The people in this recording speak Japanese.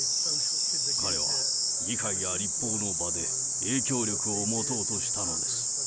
彼は議会や立法の場で影響力を持とうとしたのです。